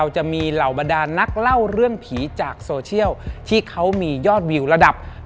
จะได้รับฟังกันครับ